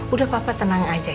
udah papa tenang aja